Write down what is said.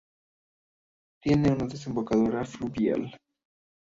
Tiene una desembocadura fluvial.